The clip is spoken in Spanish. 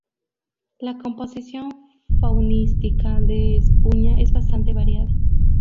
La composición faunística de Espuña es bastante variada.